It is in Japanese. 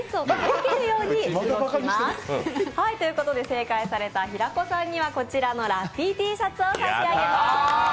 正解された平子さんにはこちらのラッピーＴシャツを差し上げます。